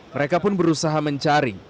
mereka pun berusaha mencari